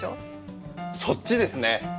そっちですね